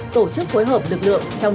tổ chức phối hợp lực lượng trong